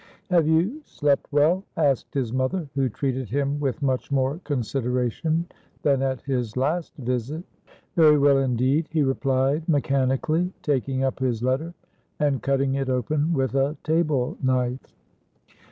"Have you slept well?" asked his mother, who treated him with much more consideration than at his last visit. "Very well indeed," he replied mechanically, taking up his letter and cutting it open with a table knife.